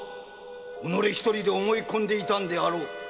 己一人で思い込んでいたんであろう〕